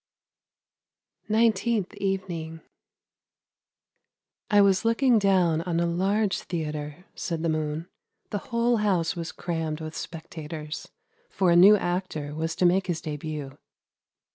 NINETEENTH EVENING " I was looking down on a large theatre," said the moon. " The whole house was crammed with spectators, for a new actor was to make his debut.